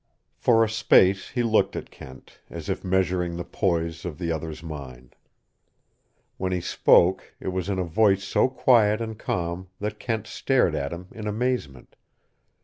For a space he looked at Kent, as if measuring the poise of the other's mind. When he spoke, it was in a voice so quiet and calm that Kent stared at him in amazement.